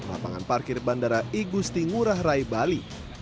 lapangan parkir bandara igusti ngurah rai bali